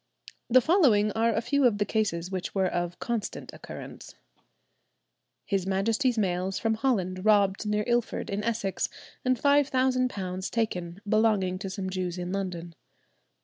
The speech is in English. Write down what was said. The following are a few of the cases which were of constant occurrence. "His Majesty's mails from Holland robbed near Ilford in Essex, and £5,000 taken, belonging to some Jews in London."